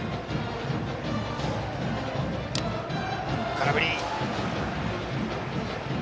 空振り。